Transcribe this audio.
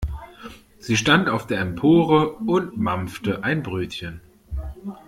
Sie stand auf der Empore und mampfte ein Brötchen.